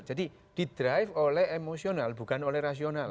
jadi didrive oleh emosional bukan oleh rasional